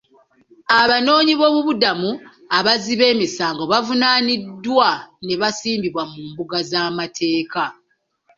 Abanoonyi boobubudamu abazzi b'emisango baavunaaniddwa ne basimbibwa mu mbuga z'amateeka.